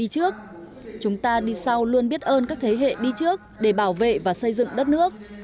trước chúng ta đi sau luôn biết ơn các thế hệ đi trước để bảo vệ và xây dựng đất nước